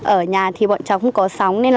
ở nhà thì bọn cháu không có sóng